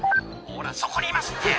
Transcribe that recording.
ほらそこにいますって」